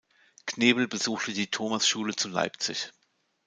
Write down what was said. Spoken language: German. Knebel besuchte die Thomasschule zu Leipzig.